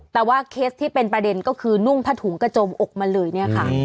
แต่ว่าเคสที่เป็นประเด็นก็คือนุ่งผ้าถุงกระจมอกมาเลยเนี่ยค่ะ